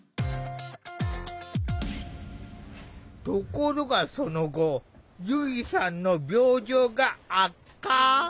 ところがその後ゆいさんの病状が悪化。